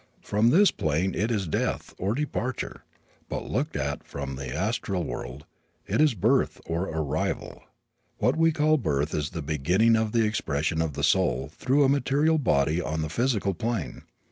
From this plane it is death, or departure. But looked at from the astral world it is birth, or arrival. What we call birth is the beginning of the expression of the soul through a material body on the physical plane.